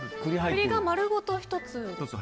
栗が丸ごと１つ。